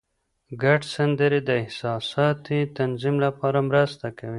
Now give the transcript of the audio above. ګډ سندرې د احساساتي تنظیم لپاره مرسته کوي.